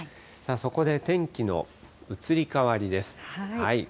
そこで天気の移り変わりです。